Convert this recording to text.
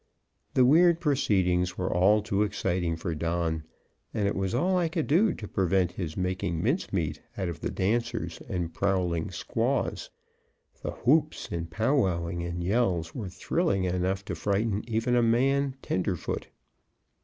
The weird proceedings were all too exciting for Don, and it was all I could do to prevent his making mince meat out of the dancers and prowling squaws. The whoops and pow wowing and yells were thrilling enough to frighten even a man "tenderfoot."